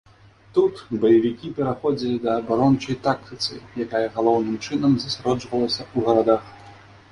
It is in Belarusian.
Тут баевікі пераходзілі да абарончай тактыцы, якая галоўным чынам засяроджвалася ў гарадах.